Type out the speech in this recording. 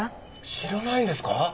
知らないんですか？